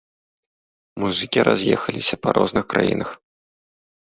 Музыкі раз'ехаліся па розных краінах.